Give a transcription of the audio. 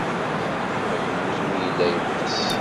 Yuba yemmut mi yella yeḍḍes.